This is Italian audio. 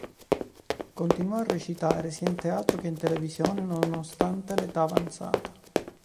Continuò a recitare sia in teatro che in televisione, nonostante l'età avanzata.